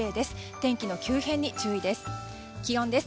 天気の急変に注意です。